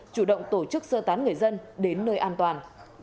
chủ động tổ chức sơ tán người dân đến nơi an toàn